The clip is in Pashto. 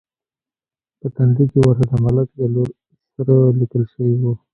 په تندي کې ورته د ملک د لور سره لیکل شوي و.